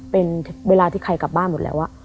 เป็นเวลาที่ใครกลับบ้านหมดแล้ว